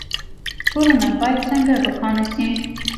کورونه باید څنګه روښانه شي؟